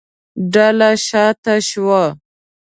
ډله شا ته شوه.